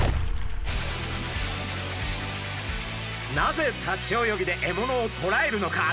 なぜ立ち泳ぎで獲物をとらえるのか？